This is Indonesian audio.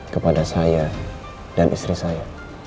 kepada saya dan istri saya